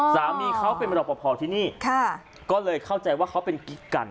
สามีเขาเป็นรอปภที่นี่ก็เลยเข้าใจว่าเขาเป็นกิ๊กกัน